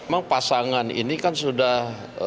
memang pasangan ini kan sudah